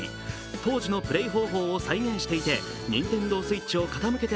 当時のプレー方法を再現していてＮｉｎｔｅｎｄｏＳｗｉｔｃｈを傾けて